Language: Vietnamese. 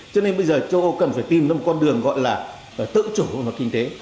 cho nên bây giờ châu âu cần phải tìm ra một con đường gọi là tự chủ hội nhập kinh tế